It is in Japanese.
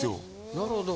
なるほど。